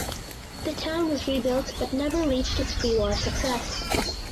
The town was rebuilt but never reached its prewar success.